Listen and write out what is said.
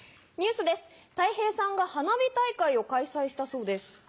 ニュースですたい平さんが花火大会を開催したそうです。